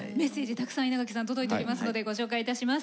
たくさん稲垣さん届いておりますのでご紹介いたします。